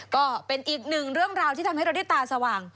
ก็เป็นอีกหนึ่งเรื่องราวที่ทำให้เราได้ตาสว่าง